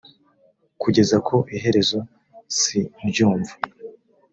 kugeza ku iherezo sindyumva